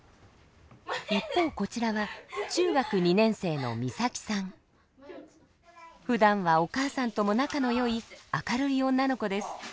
一方こちらはふだんはお母さんとも仲のよい明るい女の子です。